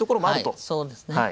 はいそうですね。